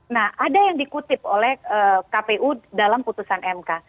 nah ada yang dikutip oleh kpu dalam putusan mk